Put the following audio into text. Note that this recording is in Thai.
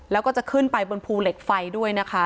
แล้วก็จะขึ้นไปบนภูเหล็กไฟด้วยนะคะ